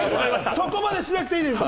そこまでしなくていいです。